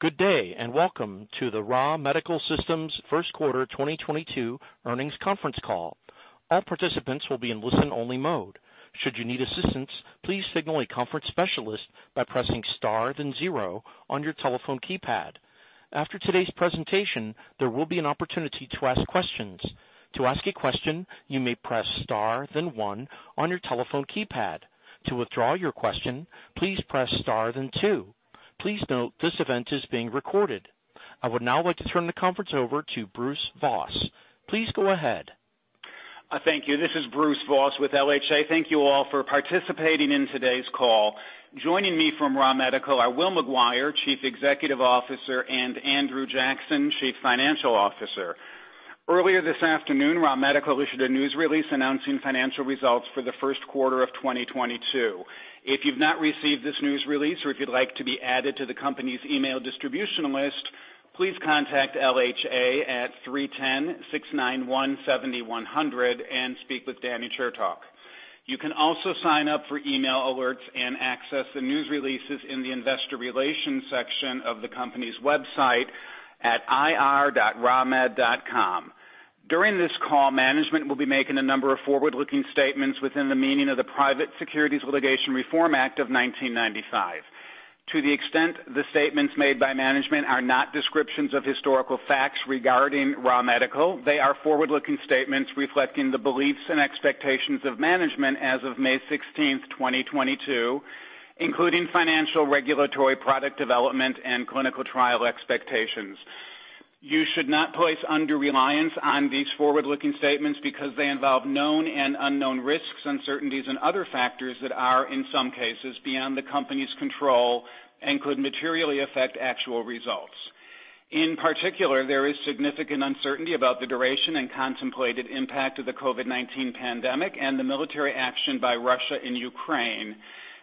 Good day, and welcome to the Ra Medical Systems First Quarter 2022 Earnings Conference Call. All participants will be in listen-only mode. Should you need assistance, please signal a conference specialist by pressing star then zero on your telephone keypad. After today's presentation, there will be an opportunity to ask questions. To ask a question, you may press star then one on your telephone keypad. To withdraw your question, please press star then two. Please note this event is being recorded. I would now like to turn the conference over to Bruce Voss. Please go ahead. Thank you. This is Bruce Voss with LHA. Thank you all for participating in today's call. Joining me from Ra Medical Systems are Will McGuire, Chief Executive Officer, and Andrew Jackson, Chief Financial Officer. Earlier this afternoon, Ra Medical Systems issued a news release announcing financial results for the first quarter of 2022. If you've not received this news release or if you'd like to be added to the company's email distribution list, please contact LHA at 310-691-7100 and speak with Danny Chertok. You can also sign up for email alerts and access the news releases in the investor relations section of the company's website at ir.ramed.com. During this call, management will be making a number of forward-looking statements within the meaning of the Private Securities Litigation Reform Act of 1995. To the extent the statements made by management are not descriptions of historical facts regarding Ra Medical Systems, they are forward-looking statements reflecting the beliefs and expectations of management as of May sixteenth, 2022, including financial, regulatory, product development, and clinical trial expectations. You should not place undue reliance on these forward-looking statements because they involve known and unknown risks, uncertainties, and other factors that are, in some cases, beyond the company's control and could materially affect actual results. In particular, there is significant uncertainty about the duration and contemplated impact of the COVID-19 pandemic and the military action by Russia in Ukraine,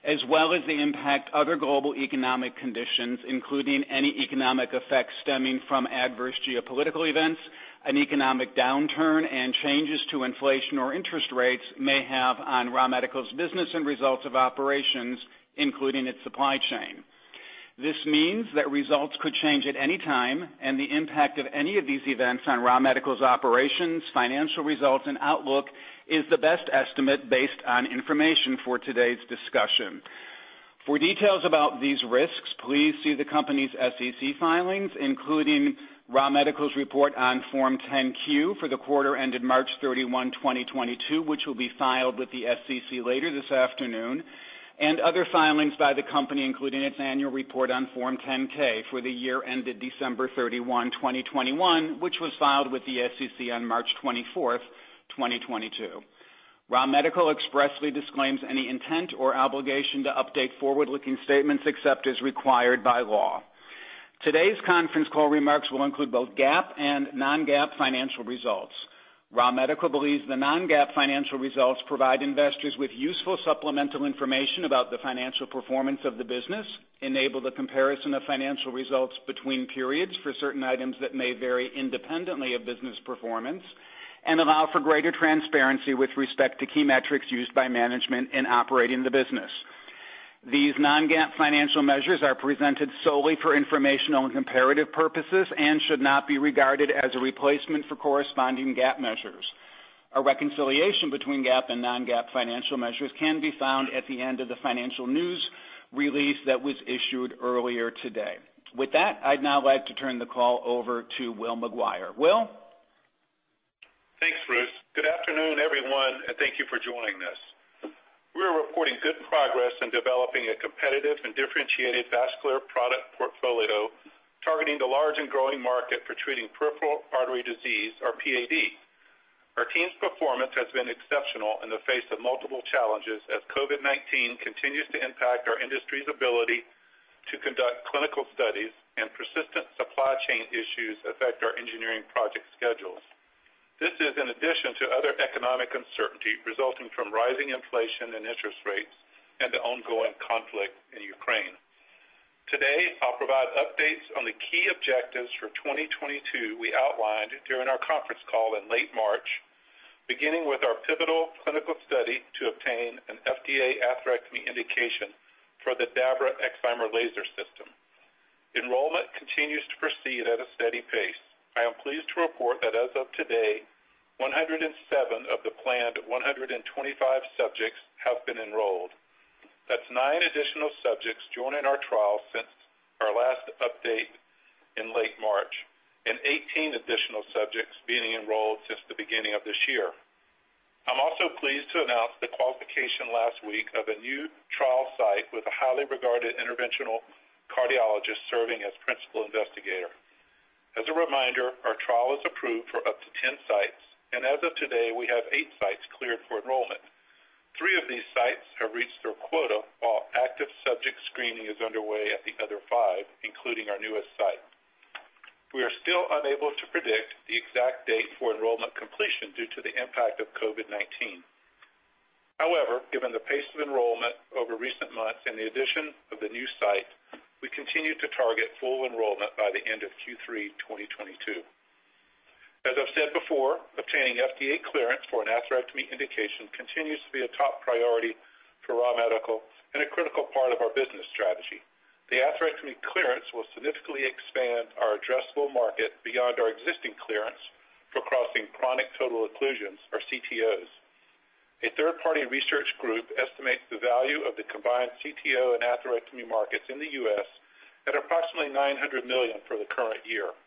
as well as the impact other global economic conditions, including any economic effects stemming from adverse geopolitical events, an economic downturn, and changes to inflation or interest rates may have on Ra Medical Systems' business and results of operations, including its supply chain. This means that results could change at any time, and the impact of any of these events on Ra Medical's operations, financial results, and outlook is the best estimate based on information for today's discussion. For details about these risks, please see the company's SEC filings, including Ra Medical's report on Form 10-Q for the quarter ended March 31, 2022, which will be filed with the SEC later this afternoon, and other filings by the company, including its annual report on Form 10-K for the year ended December 31, 2021, which was filed with the SEC on March 24, 2022. Ra Medical expressly disclaims any intent or obligation to update forward-looking statements except as required by law. Today's conference call remarks will include both GAAP and non-GAAP financial results. Ra Medical Systems believes the non-GAAP financial results provide investors with useful supplemental information about the financial performance of the business, enable the comparison of financial results between periods for certain items that may vary independently of business performance, and allow for greater transparency with respect to key metrics used by management in operating the business. These non-GAAP financial measures are presented solely for informational and comparative purposes and should not be regarded as a replacement for corresponding GAAP measures. A reconciliation between GAAP and non-GAAP financial measures can be found at the end of the financial news release that was issued earlier today. With that, I'd now like to turn the call over to Will McGuire. Will? Thanks, Bruce. Good afternoon, everyone, and thank you for joining us. We are reporting good progress in developing a competitive and differentiated vascular product portfolio targeting the large and growing market for treating peripheral artery disease or PAD. Our team's performance has been exceptional in the face of multiple challenges as COVID-19 continues to impact our industry's ability to conduct clinical studies and persistent supply chain issues affect our engineering project schedules. This is in addition to other economic uncertainty resulting from rising inflation and interest rates and the ongoing conflict in Ukraine. Today, I'll provide updates on the key objectives for 2022 we outlined during our conference call in late March, beginning with our pivotal clinical study to obtain an FDA atherectomy indication for the DABRA Excimer Laser System. Enrollment continues to proceed at a steady pace. I am pleased to report that as of today, 107 of the planned 125 subjects have been enrolled. That's nine additional subjects joining our trial since our last update in late March, and 18 additional subjects being enrolled since the beginning of this year. I'm also pleased to announce the qualification last week of a new trial site with a highly regarded interventional cardiologist serving as principal investigator. As a reminder, our trial is approved for up to 10 sites, and as of today, we have eight sites cleared for enrollment. Three of these sites have reached their quota while active subject screening is underway at the other five, including our newest site. We are still unable to predict the exact date for enrollment completion due to the impact of COVID-19. However, given the pace of enrollment over recent months and the addition of the new site, we continue to target full enrollment by the end of Q3 2022. I've said before, obtaining FDA clearance for an atherectomy indication continues to be a top priority for Ra Medical Systems and a critical part of our business strategy. The atherectomy clearance will significantly expand our addressable market beyond our existing clearance for crossing chronic total occlusions or CTOs. A third-party research group estimates the value of the combined CTO and atherectomy markets in the U.S. at approximately $900 million for the current year.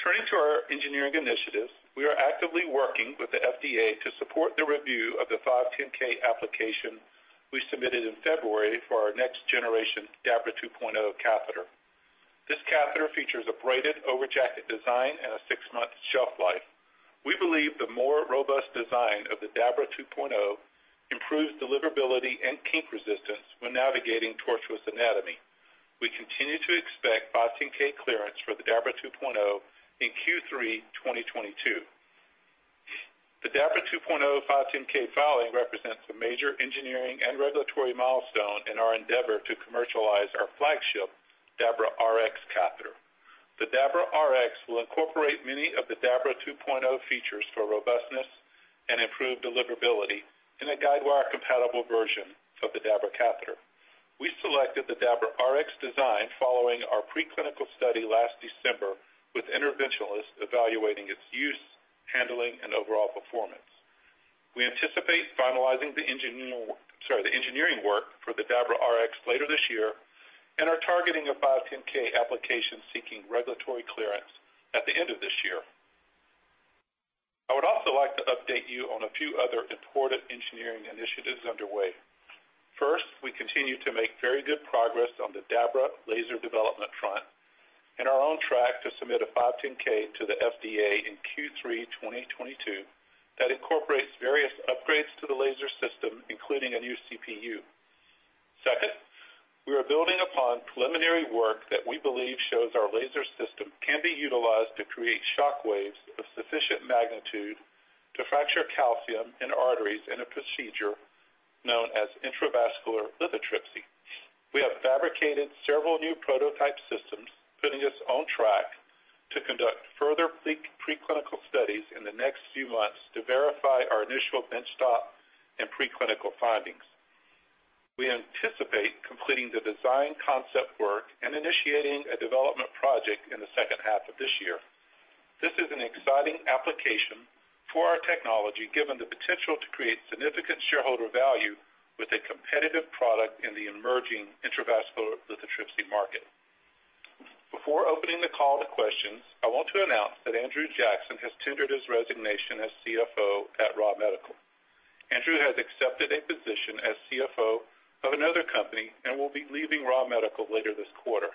Turning to our engineering initiatives, we are actively working with the FDA to support the review of the 510(k) application we submitted in February for our next generation DABRA 2.0 catheter. This catheter features a braided over jacket design and a six-month shelf life. We believe the more robust design of the DABRA 2.0 improves deliverability and kink resistance when navigating tortuous anatomy. We continue to expect 510(k) clearance for the DABRA 2.0 in Q3 2022. The DABRA 2.0 510(k) filing represents a major engineering and regulatory milestone in our endeavor to commercialize our flagship DABRA RX catheter. The DABRA RX will incorporate many of the DABRA 2.0 features for robustness and improved deliverability in a guide wire-compatible version of the DABRA catheter. We selected the DABRA RX design following our pre-clinical study last December with interventionalists evaluating its use, handling, and overall performance. We anticipate finalizing the engineering work for the DABRA RX later this year and are targeting a 510(k) application seeking regulatory clearance at the end of this year. I would also like to update you on a few other important engineering initiatives underway. First, we continue to make very good progress on the DABRA laser development front and are on track to submit a 510(k) to the FDA in Q3 2022 that incorporates various upgrades to the laser system, including a new CPU. Second, we are building upon preliminary work that we believe shows our laser system can be utilized to create shockwaves of sufficient magnitude to fracture calcium in arteries in a procedure known as intravascular lithotripsy. We have fabricated several new prototype systems, putting us on track to conduct further pre-clinical studies in the next few months to verify our initial benchtop and pre-clinical findings. We anticipate completing the design concept work and initiating a development project in the second half of this year. This is an exciting application for our technology, given the potential to create significant shareholder value with a competitive product in the emerging intravascular lithotripsy market. Before opening the call to questions, I want to announce that Andrew Jackson has tendered his resignation as CFO at Ra Medical. Andrew has accepted a position as CFO of another company and will be leaving Ra Medical later this quarter.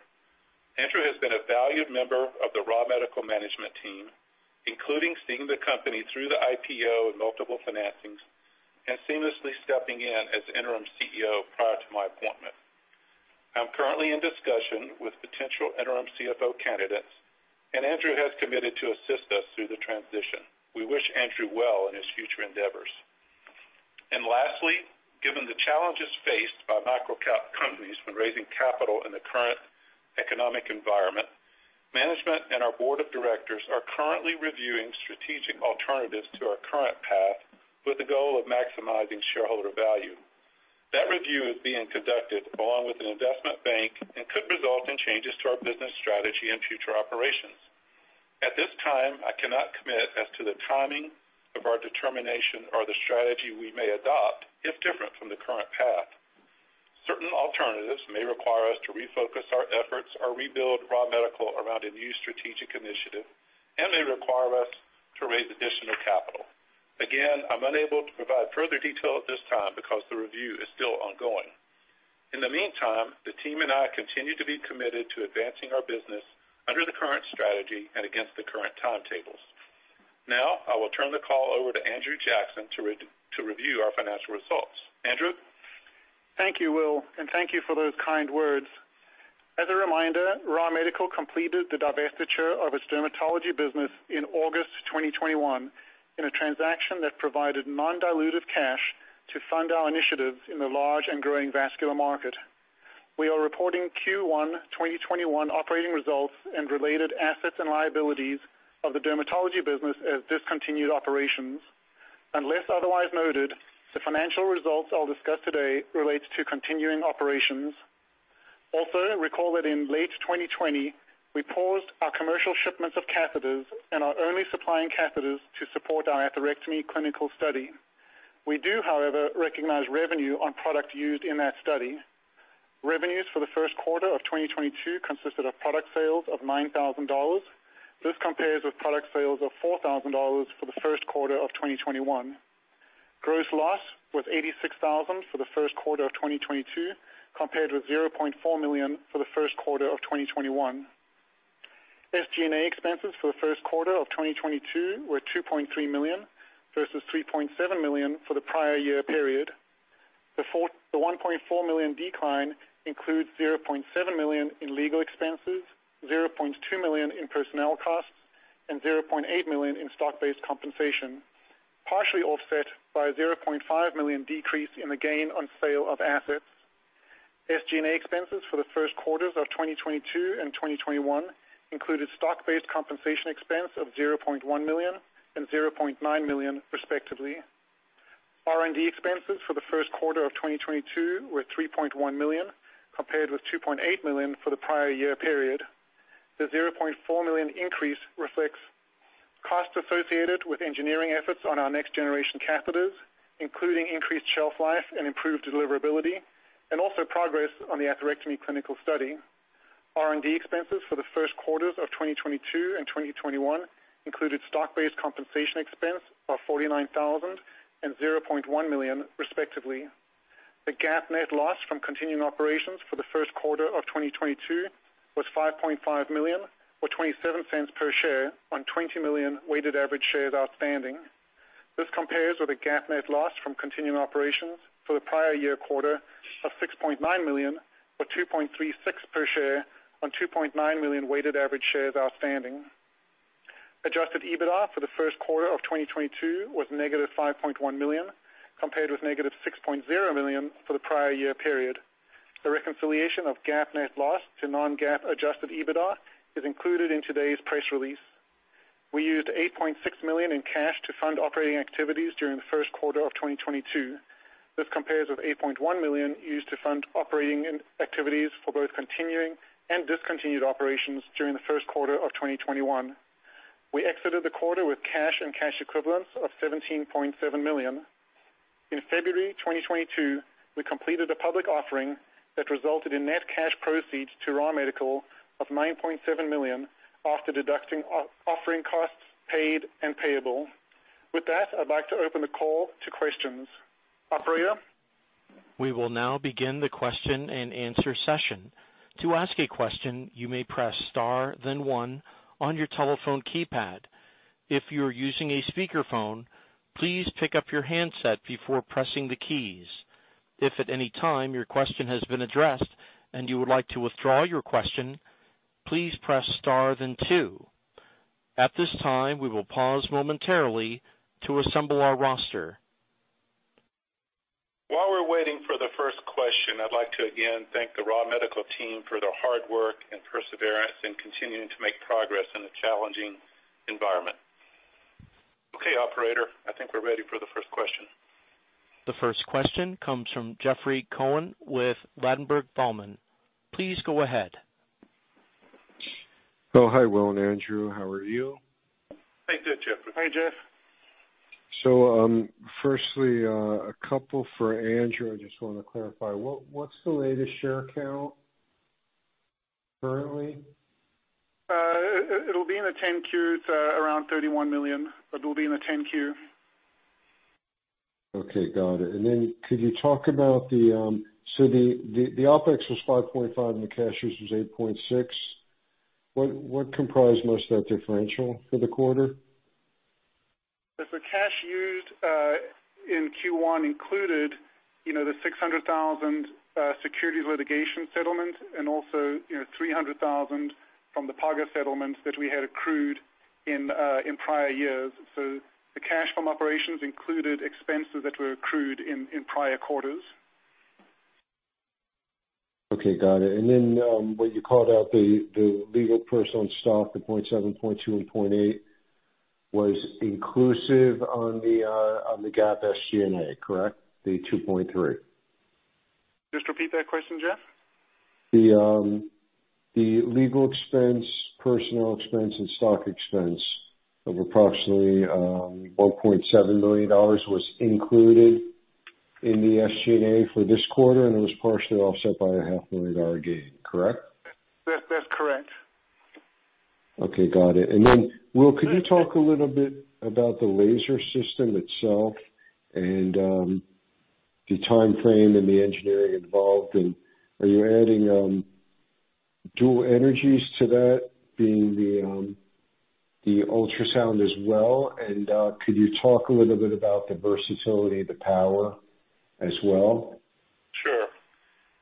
Andrew has been a valued member of the Ra Medical management team, including seeing the company through the IPO and multiple financings, and seamlessly stepping in as interim CEO prior to my appointment. I'm currently in discussion with potential interim CFO candidates, and Andrew has committed to assist us through the transition. We wish Andrew well in his future endeavors. Lastly, given the challenges faced by micro-cap companies when raising capital in the current economic environment, management and our board of directors are currently reviewing strategic alternatives to our current path with the goal of maximizing shareholder value. That review is being conducted along with an investment bank and could result in changes to our business strategy and future operations. At this time, I cannot commit as to the timing of our determination or the strategy we may adopt if different from the current path. Certain alternatives may require us to refocus our efforts or rebuild Ra Medical Systems around a new strategic initiative, and may require us to raise additional capital. Again, I'm unable to provide further detail at this time because the review is still ongoing. In the meantime, the team and I continue to be committed to advancing our business under the current strategy and against the current timetables. Now I will turn the call over to Andrew Jackson to review our financial results. Andrew? Thank you, Will, and thank you for those kind words. As a reminder, Ra Medical Systems completed the divestiture of its dermatology business in August 2021 in a transaction that provided non-dilutive cash to fund our initiatives in the large and growing vascular market. We are reporting Q1 2021 operating results and related assets and liabilities of the dermatology business as discontinued operations. Unless otherwise noted, the financial results I'll discuss today relates to continuing operations. Also, recall that in late 2020, we paused our commercial shipments of catheters and are only supplying catheters to support our atherectomy clinical study. We do, however, recognize revenue on product used in that study. Revenues for the first quarter of 2022 consisted of product sales of $9,000. This compares with product sales of $4,000 for the first quarter of 2021. Gross loss was $86,000 for the first quarter of 2022, compared with $0.4 million for the first quarter of 2021. SG&A expenses for the first quarter of 2022 were $2.3 million versus $3.7 million for the prior year period. The $1.4 million decline includes $0.7 million in legal expenses, $0.2 million in personnel costs, and $0.8 million in stock-based compensation, partially offset by a $0.5 million decrease in the gain on sale of assets. SG&A expenses for the first quarters of 2022 and 2021 included stock-based compensation expense of $0.1 million and $0.9 million, respectively. R&D expenses for the first quarter of 2022 were $3.1 million, compared with $2.8 million for the prior year period. The $0.4 million increase reflects costs associated with engineering efforts on our next generation catheters, including increased shelf life and improved deliverability, and also progress on the atherectomy clinical study. R&D expenses for the first quarters of 2022 and 2021 included stock-based compensation expense of $49,000 and $0.1 million, respectively. The GAAP net loss from continuing operations for the first quarter of 2022 was $5.5 million, or $0.27 per share on 20 million weighted average shares outstanding. This compares with a GAAP net loss from continuing operations for the prior year quarter of $6.9 million, or $2.36 per share on 2.9 million weighted average shares outstanding. Adjusted EBITDA for the first quarter of 2022 was -$5.1 million, compared with -$6.0 million for the prior year period. The reconciliation of GAAP net loss to non-GAAP adjusted EBITDA is included in today's press release. We used $8.6 million in cash to fund operating activities during the first quarter of 2022. This compares with $8.1 million used to fund operating activities for both continuing and discontinued operations during the first quarter of 2021. We exited the quarter with cash and cash equivalents of $17.7 million. In February 2022, we completed a public offering that resulted in net cash proceeds to Ra Medical of $9.7 million after deducting offering costs paid and payable. With that, I'd like to open the call to questions. Operator? We will now begin the question-and-answer session. To ask a question, you may press star then one on your telephone keypad. If you're using a speakerphone, please pick up your handset before pressing the keys. If at any time your question has been addressed and you would like to withdraw your question, please press star then two. At this time, we will pause momentarily to assemble our roster. While we're waiting for the first question, I'd like to again thank the Ra Medical team for their hard work and perseverance in continuing to make progress in a challenging environment. Okay, operator, I think we're ready for the first question. The first question comes from Jeffrey Cohen with Ladenburg Thalmann. Please go ahead. Oh, hi, Will and Andrew. How are you? Hi, Jeff. Firstly, a couple for Andrew. I just want to clarify. What's the latest share count currently? It'll be in the 10-Q. It's around $31 million, but it'll be in the 10-Q. Okay. Got it. Could you talk about so the OpEx was $5.5, and the cash use was $8.6. What comprised most of that differential for the quarter? The cash used in Q1 included, you know, the $600,000 securities litigation settlement and also, you know, $300,000 from the PAGA settlement that we had accrued in prior years. The cash from operations included expenses that were accrued in prior quarters. Okay. Got it. What you called out, the legal, personnel and stock, the $0.7, $0.2, and $0.8 was inclusive on the GAAP SG&A, correct? The $2.3. Just repeat that question, Jeff. The legal expense, personal expense, and stock expense of approximately $1.7 million was included in the SG&A for this quarter, and it was partially offset by a half million dollar gain, correct? That's correct. Okay. Got it. Then, Will, could you talk a little bit about the laser system itself and the timeframe and the engineering involved? Are you adding dual energies to that being the ultrasound as well? Could you talk a little bit about the versatility of the power as well? Sure.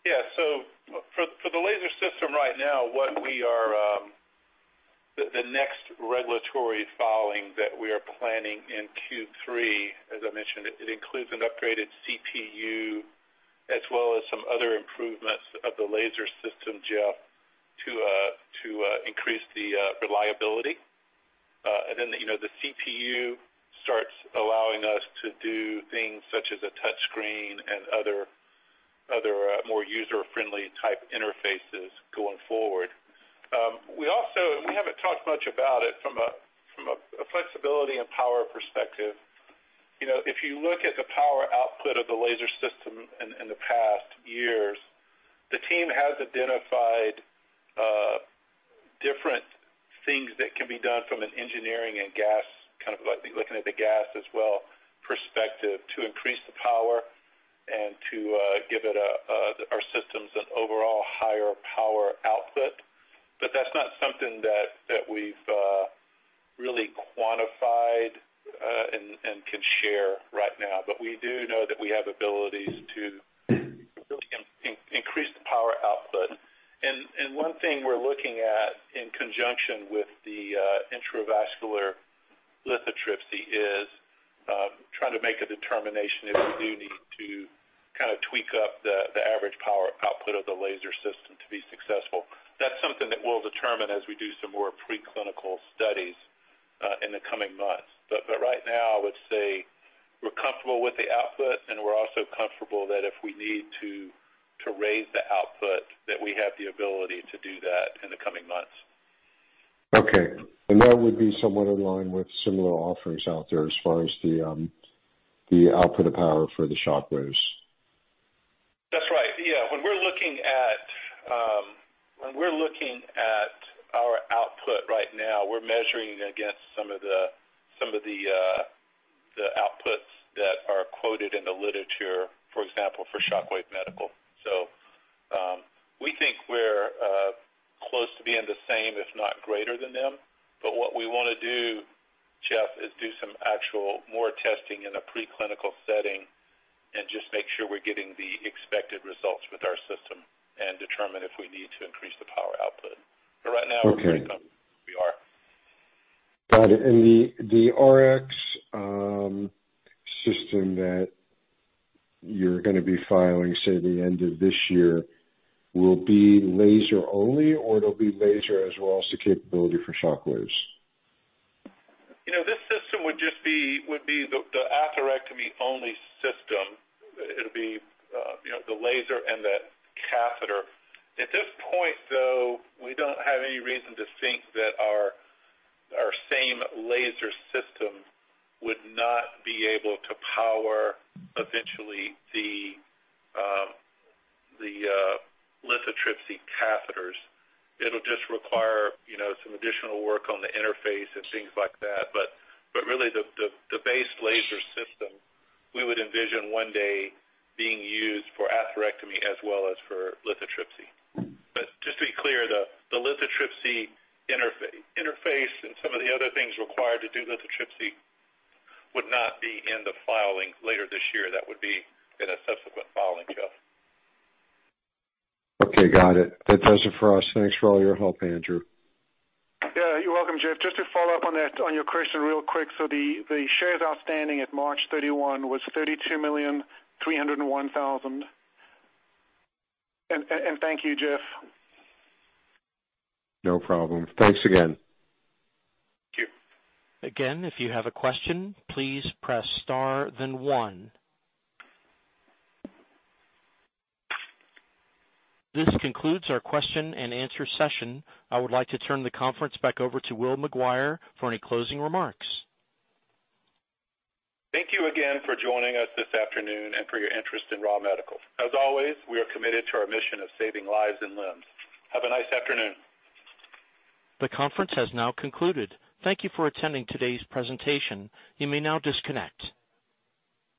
Yeah. For the laser system right now, the next regulatory filing that we are planning in Q3, as I mentioned, includes an upgraded CPU as well as some other improvements to the laser system, Jeff, to increase the reliability. You know, the CPU starts allowing us to do things such as a touch screen and other more user-friendly type interfaces going forward. We haven't talked much about it from a flexibility and power perspective. You know, if you look at the power output of the laser system in the past years, the team has identified different things that can be done from an engineering and gas, kind of like looking at the gas as well, perspective to increase the power and to give our systems an overall higher power output. That's not something that we've really quantified and can share right now. We do know that we have abilities to really increase the power output. One thing we're looking at in conjunction with the intravascular lithotripsy is Trying to make a determination if we do need to kind of tweak up the average power output of the laser system to be successful. That's something that we'll determine as we do some more pre-clinical studies in the coming months. Right now, I would say we're comfortable with the output, and we're also comfortable that if we need to raise the output, that we have the ability to do that in the coming months. Okay. That would be somewhat in line with similar offerings out there as far as the output of power for the shockwaves. That's right. Yeah. When we're looking at our output right now, we're measuring against some of the outputs that are quoted in the literature, for example, for Shockwave Medical. We think we're close to being the same, if not greater than them. But what we wanna do, Jeff, is do some actual more testing in a pre-clinical setting and just make sure we're getting the expected results with our system and determine if we need to increase the power output. But right now. Okay. We're pretty comfortable where we are. Got it. The RX system that you're going to be filing, say, the end of this year, will be laser only, or it'll be laser as well as the capability for shockwaves? You know, this system would be the atherectomy only system. It'll be, you know, the laser and the catheter. At this point, though, we don't have any reason to think that our same laser system would not be able to power eventually the lithotripsy catheters. It'll just require, you know, some additional work on the interface and things like that. Really the base laser system, we would envision one day being used for atherectomy as well as for lithotripsy. Just to be clear, the lithotripsy interface and some of the other things required to do lithotripsy would not be in the filing later this year. That would be in a subsequent filing, Jeff. Okay, got it. That does it for us. Thanks for all your help, Andrew. Yeah, you're welcome, Jeff. Just to follow up on that, on your question real quick. So the shares outstanding at March 31 was 32,301,000. Thank you, Jeff. No problem. Thanks again. Thank you. Again, if you have a question, please press star then one. This concludes our question and answer session. I would like to turn the conference back over to Will McGuire for any closing remarks. Thank you again for joining us this afternoon and for your interest in Ra Medical Systems. As always, we are committed to our mission of saving lives and limbs. Have a nice afternoon. The conference has now concluded. Thank you for attending today's presentation. You may now disconnect.